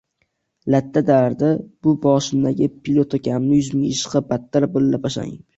— Latta! — derdi u boshimdagi pilotkamni yuzimga ishqab. — Battar bo‘l, lapashang!